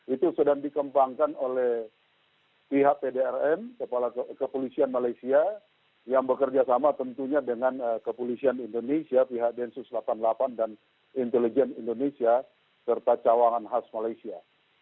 itu sedang dikembangkan oleh pihak pdrn kepala kepolisian malaysia yang bekerja sama tentunya dengan kepolisian indonesia pihak densus delapan puluh delapan dan intelijen indonesia serta cawangan khas malaysia